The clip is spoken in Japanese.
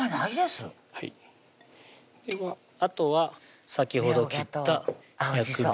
はいではあとは先ほど切った薬味